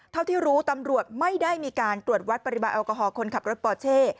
เท่าที่รู้ตำรวจไม่ได้มีการตรวจวัดปริมาณแอลกอฮอลคนขับรถปอเช่